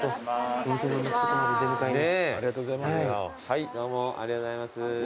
はいどうもありがとうございます。